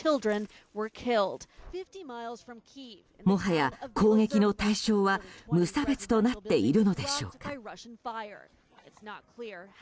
もはや攻撃の対象は無差別となっているのでしょうか。